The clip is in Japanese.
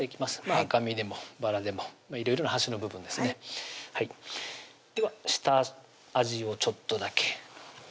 赤身でもバラでもいろいろな端の部分ですねでは下味をちょっとだけこの辺がね